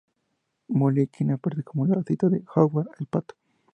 Molly Quinn aparece como la cita de Howard el pato.